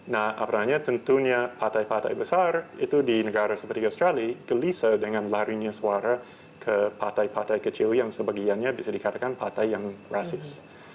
nah apalagi tentunya partai partai besar itu di negara seperti australia gelisah dengan larinya suara ke partai partai kecil yang sebagiannya bisa dikatakan partai yang rasis